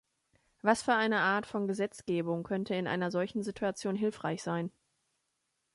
Was für eine Art von Gesetzgebung könnte in einer solchen Situation hilfreich sein?